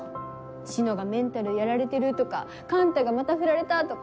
志乃がメンタルやられてるとか幹太がまたフラれたとか。